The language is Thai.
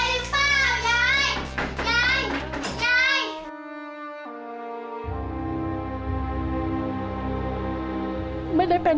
ยายเป็นไรหรือเปล่า